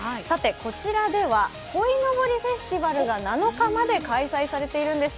こちらではこいのぼりフェスティバルが７日まで開催されているんです。